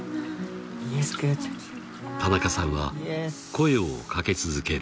［田中さんは声を掛け続ける］